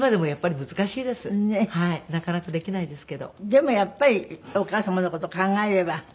でもやっぱりお母様の事を考えれば。